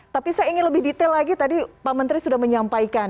tapi saya ingin lebih detail lagi tadi pak menteri sudah menyampaikan